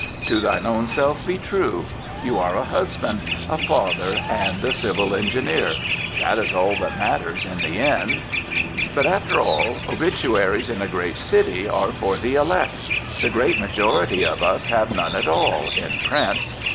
To thine own self be true. You are a husband, a father, and a civil engineer. That is all that matters in the end. But after all, all obituaries in a great city are for the elect. The great majority of us have none at all, in print.